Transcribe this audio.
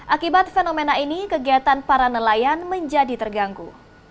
akibat fenomena ini kegiatan para nelayan menjadi terganggu